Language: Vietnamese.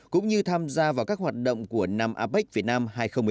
cũng như tham gia vào các hoạt động của năm apec việt nam hai nghìn một mươi tám